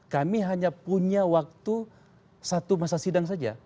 kami hanya punya waktu satu masa sidang saja